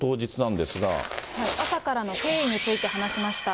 朝からの経緯について話しました。